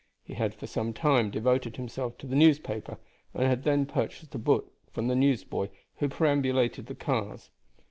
He had for some time devoted himself to the newspaper, and had then purchased a book from the newsboy who perambulated the cars.